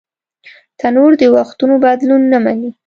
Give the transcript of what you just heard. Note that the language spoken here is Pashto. تنور د وختونو بدلون نهمني